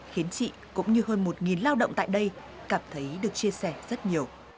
khiến chị cũng như hơn một lao động tại đây cảm thấy được chia sẻ rất nhiều